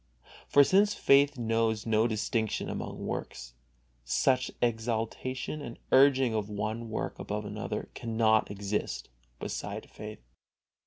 For since faith knows no distinction among works, such exaltation and urging of one work above another cannot exist beside faith.